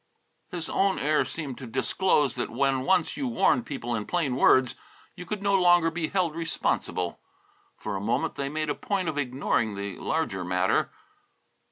His own air seemed to disclose that when once you warned people in plain words, you could no longer be held responsible. For a moment they made a point of ignoring the larger matter.